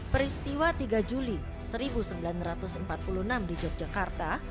peristiwa tiga juli seribu sembilan ratus empat puluh enam di yogyakarta